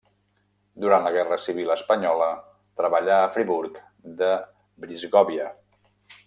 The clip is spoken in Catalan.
Durant la guerra civil espanyola treballà a Friburg de Brisgòvia.